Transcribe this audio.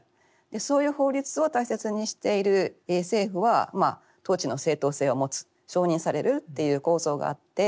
そういう法律を大切にしている政府は統治の正当性を持つ承認されるっていう構造があって。